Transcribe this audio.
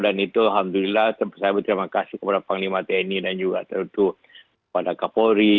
dan itu alhamdulillah saya berterima kasih kepada panglima tni dan juga terutuh kepada kapolri